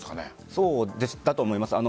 そうだと思います。